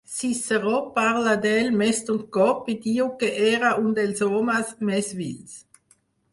Ciceró parla d'ell més d’un cop i diu que era un dels homes més vils.